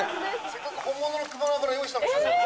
せっかく本物の熊の油用意したんですけど。